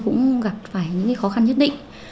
cũng gặp phải những khó khăn nhất định